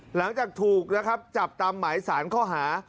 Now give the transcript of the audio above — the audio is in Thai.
หลังจากถูกนะครับจับตามหมายสารข้อหา